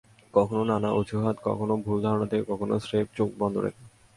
কখনো নানা অজুহাতে, কখনো ভুল ধারণা থেকে, কখনো স্রেফ চোখ বন্ধ রেখে।